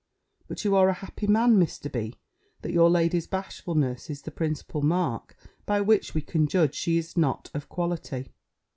But you are a happy man, Mr. B., that your lady's bashfulness is the principal mark by which we can judge she is not of quality."